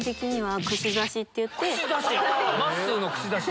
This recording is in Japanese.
まっすーの串刺し！